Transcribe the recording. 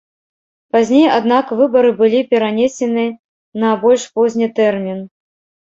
Пазней аднак выбары былі перанесены на больш позні тэрмін.